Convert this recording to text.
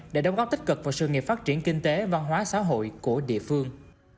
để đóng góp tích cực vào sự nghiệp phát triển kinh tế văn hóa xã hội của địa phương